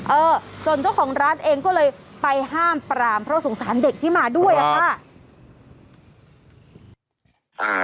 เออส่วนเจ้าของร้านเองก็เลยไปห้ามปรามเพราะสงสารเด็กที่มาด้วยอะค่ะ